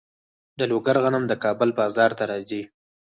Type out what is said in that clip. د لوګر غنم د کابل بازار ته راځي.